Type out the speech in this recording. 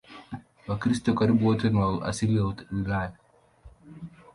Wakristo karibu wote ni wa asili ya Ulaya.